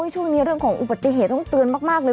ช่วงนี้เรื่องของอุบัติเหตุต้องเตือนมากเลย